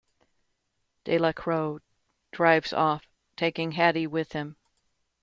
Delacro drives off, taking Hattie with him.